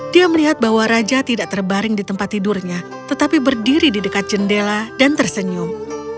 dia melihat bahwa raja tidak terbaring di tempat tidurnya tetapi berdiri di dekat jendela dan tersenyum